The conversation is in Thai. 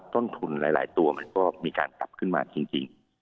ต้นทุนหลายตัวมันก็มีการปรับขึ้นมาจริง